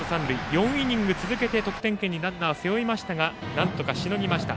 ４イニング続けて得点圏にランナーを背負いましたがなんとかしのぎました。